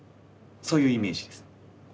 そういうイメージです。